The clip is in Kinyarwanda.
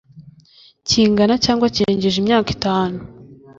kingana cyangwa kirengeje imyaka itanu